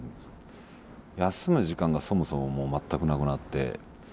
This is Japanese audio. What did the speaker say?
休む時間がそもそももう全くなくなって。